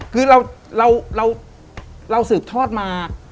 คือเราสืบทอดมา